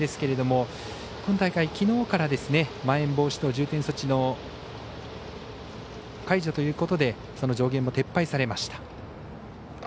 ここ数年ですけどもまん延防止等重点措置の解除ということでその上限も撤廃されました。